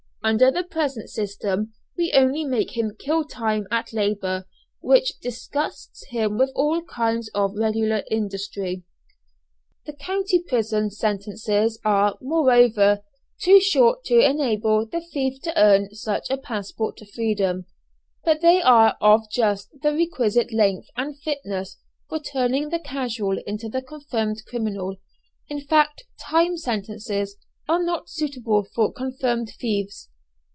Under the present system we only make him kill time at labour which disgusts him with all kinds of regular industry. The county prison sentences are, moreover, too short to enable the thief to earn such a passport to freedom, but they are of just the requisite length and fitness for turning the casual into the confirmed criminal. In fact, time sentences are not suitable for confirmed thieves.